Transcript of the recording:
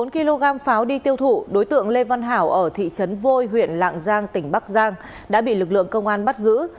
bốn kg pháo đi tiêu thụ đối tượng lê văn hảo ở thị trấn vôi huyện lạng giang tỉnh bắc giang đã bị lực lượng công an bắt giữ